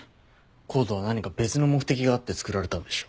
ＣＯＤＥは何か別の目的があって作られたんでしょう。